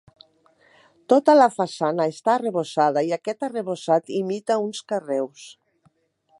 Tota la façana està arrebossada i aquest arrebossat imita uns carreus.